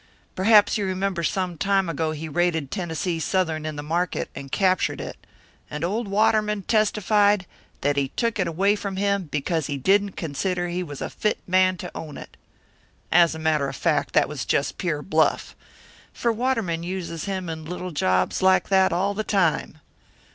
Perhaps you remember some time ago he raided Tennessee Southern in the market and captured it; and old Waterman testified that he took it away from him because he didn't consider he was a fit man to own it. As a matter of fact, that was just pure bluff, for Waterman uses him in little jobs like that all the time.